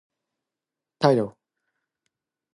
Title.